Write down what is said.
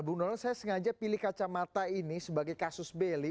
bung donald saya sengaja pilih kacamata ini sebagai kasus beli